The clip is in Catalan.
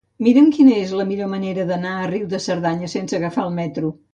Mira'm quina és la millor manera d'anar a Riu de Cerdanya sense agafar el metro.